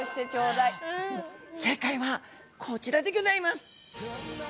正解はこちらでギョざいます。